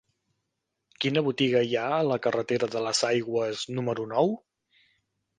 Quina botiga hi ha a la carretera de les Aigües número nou?